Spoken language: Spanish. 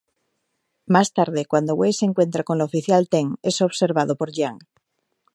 Más tarde, cuando Wei se encuentra con la oficial Ten, es observado por Jiang.